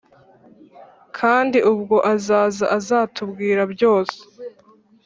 kandi ubwo azaza azatubwira byose